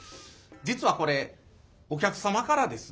実はこれお客様からですね